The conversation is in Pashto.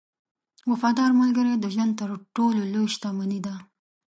• وفادار ملګری د ژوند تر ټولو لوی شتمنۍ ده.